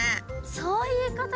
そういうことか。